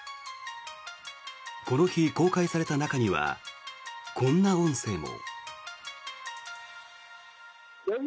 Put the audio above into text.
この日、公開された中にはこんな音声も。